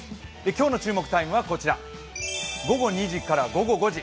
今日の注目タイムは午後２時から午後５時。